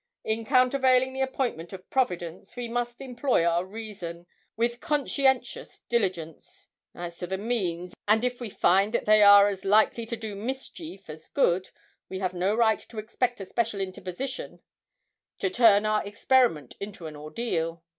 In countervailing the appointment of Providence, we must employ our reason, with conscientious diligence, as to the means, and if we find that they are as likely to do mischief as good, we have no right to expect a special interposition to turn our experiment into an ordeal.